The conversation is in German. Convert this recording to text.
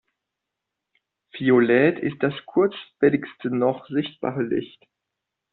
Violett ist das kurzwelligste noch sichtbare Licht.